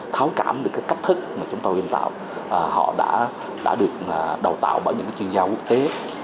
tháo cảm được cái cách thức mà chúng tôi ươm tạo họ đã được đào tạo bởi những chuyên gia quốc tế